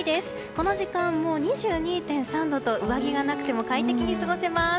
この時間も２２．３度と上着がなくても快適に過ごせます。